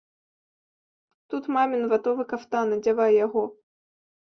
Тут мамін ватовы кафтан, адзявай яго.